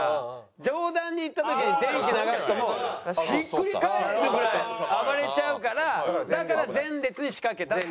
上段に行った時に電気流すともうひっくり返るぐらい暴れちゃうからだから前列に仕掛けたって。